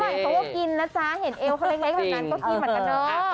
เขาก็กินนะจ๊ะเห็นเอวเขาเล็กแบบนั้นก็กินเหมือนกันเนอะ